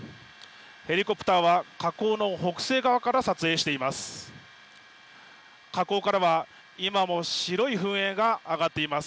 ヘリコプターは火口の北西側から撮影しています。